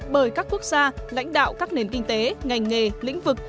bởi các quốc gia lãnh đạo các nền kinh tế ngành nghề lĩnh vực